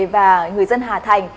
và người dân hà thành